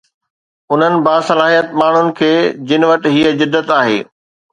انهن باصلاحيت ماڻهن کي جن وٽ هي جدت آهي.